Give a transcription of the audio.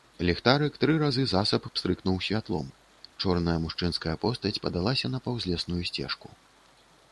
Ліхтарык тры разы засаб пстрыкнуў святлом, чорная мужчынская постаць падалася на паўзлесную сцежку.